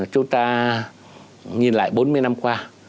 chúng ta nhìn lại bốn mươi năm qua